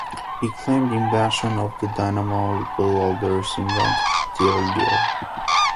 He claimed invention of the dynamo although others invented it earlier.